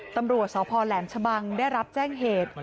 ตำรวจสพแหลมชะบังได้รับแจ้งเหตุ